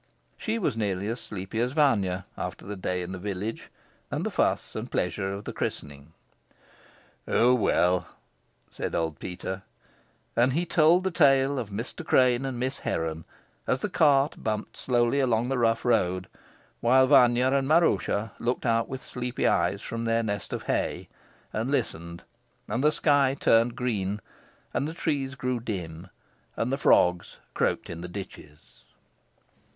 She was nearly as sleepy as Vanya after the day in the village, and the fuss and pleasure of the christening. "Oh, well," said old Peter; and he told the tale of Mr. Crane and Miss Heron as the cart bumped slowly along the rough road, while Vanya and Maroosia looked out with sleepy eyes from their nest of hay and listened, and the sky turned green, and the trees grew dim, and the frogs croaked in the ditches.